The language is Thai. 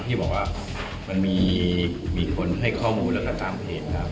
พี่บอกว่ามีคนให้ข้อมูลตามเพจครับ